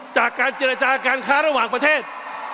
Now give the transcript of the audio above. จากการเจรจาการค้าระหว่างประเทศ